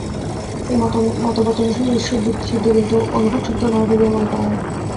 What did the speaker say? এই মতবাদ অনুসারে ঈশ্বর যুক্তিসিদ্ধ, কিন্তু অনুভবসিদ্ধ নয় বলিয়া মনে করা হয়।